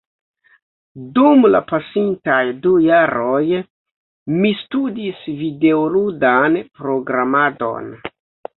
dum la pasintaj du jaroj mi studis videoludan programadon